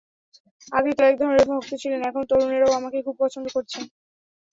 আগে তো একধরনের ভক্ত ছিলেন, এখন তরুণেরাও আমাকে খুব পছন্দ করছেন।